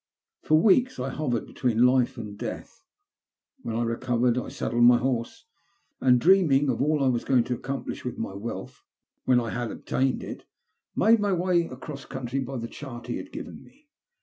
For weeks I hovered between life and death. "When I recovered I saddled my horse, and, dreaming of all I was going to accomplish with my wealth, when I had obtained it, made my way acrocs country by the chart he had given me.